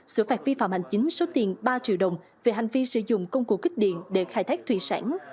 sửa phạt vi phạm hành chính số tiền ba triệu đồng về hành vi sử dụng công cụ kích điện để khai thác thủy sản